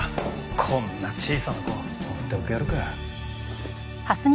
こんな小さな子を放っておけるかよ。